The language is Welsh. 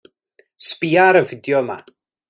Sbïa ar y fideo 'ma.